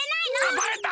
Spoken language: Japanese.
あバレた？